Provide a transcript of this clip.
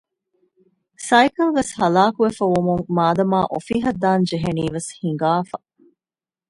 ސައިކަލްވެސް ހަލާކުވެފައި ވުމުން މާދަމާ އޮފީހަށް ދާން ޖެހެނީވެސް ހިނގާފަ